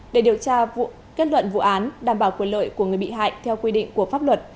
để điều tra kết luận vụ án đảm bảo quyền lợi của người bị hại theo quy định của pháp luật